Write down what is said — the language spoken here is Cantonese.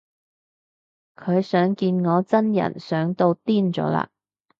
佢想見我真人想到癲咗喇